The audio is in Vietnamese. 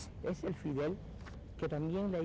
ông luôn luôn kêu gọi mọi người